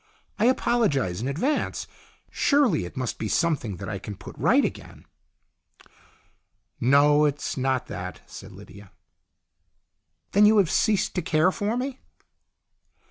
I apologize in advance. Surely it must be something that I can put right again." HER PEOPLE 143 " No, it's not that," said Lydia. " Then you have ceased to care for me."